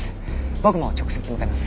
僕も直接向かいます。